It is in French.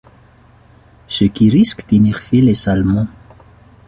Ce qui risque d'énerver les Allemands.